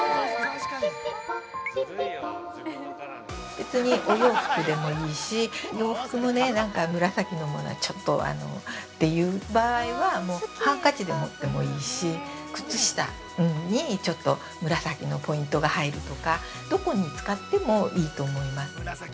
別に、お洋服でもいいし、洋服もね、なんか、紫のもの、ちょっとーという場合は、ハンカチで持ってもいいし、靴下にちょっと紫のポイントが入るとか、どこに使ってもいいと思います。